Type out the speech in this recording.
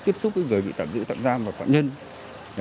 tiếp xúc với người bị tạm giữ tạm giam và phạm nhân